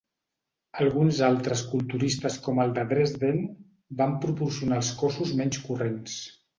Alguns altres culturistes com el de Dresden van proporcionar els cossos menys corrents.